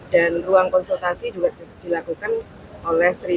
dan ruang konsultasi juga dilakukan oleh satu tujuh ratus delapan puluh